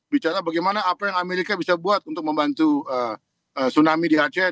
bicara bagaimana apa yang amerika bisa buat untuk membantu tsunami di aceh